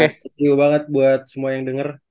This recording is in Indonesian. terima kasih banget buat semua yang denger